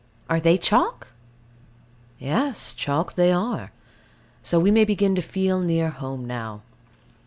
Are they chalk? Yes, chalk they are: so we may begin to feel near home now.